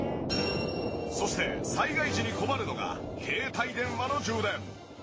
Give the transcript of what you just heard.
そして災害時に困るのが携帯電話の充電。